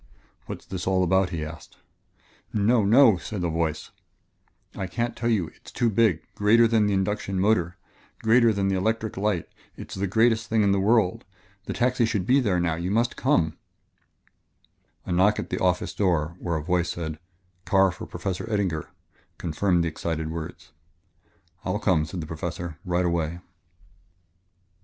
"What's this all about?" he asked. "No no!" said a voice; "I can't tell you it is too big greater than the induction motor greater than the electric light it is the greatest thing in the world. The taxi should be there now you must come " A knock at the office door where a voice said, "Car for Professor Eddinger," confirmed the excited words. "I'll come," said the Professor, "right away."